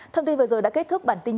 thông tin vừa rồi đã kết thúc